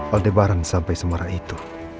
aldebaran sampai semara itu